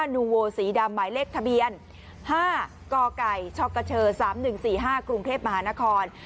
นูโวสีดำหมายเลขทะเบียน๕กกชกช๓๑๔๕กรุงเทพมหานคร